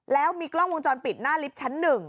แล้วมีกล้องวงจรปิดหน้าลิฟท์ชั้น๑